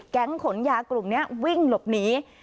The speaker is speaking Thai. ขนยากลุ่มนี้วิ่งหลบหนี